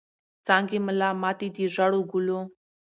څانګي ملا ماتي د ژړو ګلو